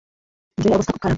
জোয়ের অবস্থা খুব খারাপ।